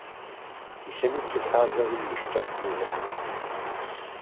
Ženy přicházely již časně z rána.